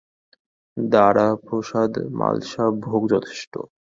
দাঁড়া-প্রসাদ, মালসা ভোগ যথেষ্ট।